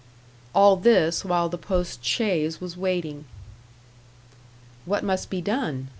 All this while the post chaise was waiting. "What must be done?"